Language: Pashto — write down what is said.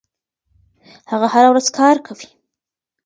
هغه هره ورځ کار کوي.